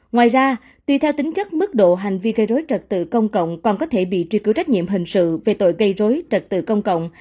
ngoài ra tùy theo tính chất mức độ hành vi gây rối trật tự công cộng còn có thể bị truy cứu trách nhiệm hình sự về tội gây rối trật tự công cộng